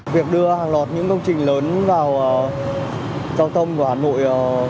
việc đưa hàng lọt những công trình lớn vào giao thông của hà nội